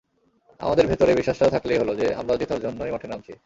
আমাদের ভেতরে বিশ্বাসটা থাকলেই হলো যে, আমরা জেতার জন্যই মাঠে নামছি।